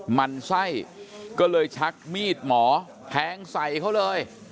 มันไส้ก็เลยชักมีดหมอแทงใส่เขาเลย